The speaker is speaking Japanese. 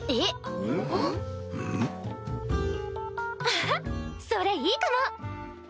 あっそれいいかも。